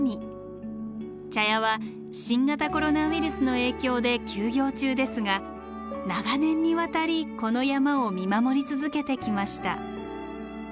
茶屋は新型コロナウイルスの影響で休業中ですが長年にわたりこの山を見守り続けてきました。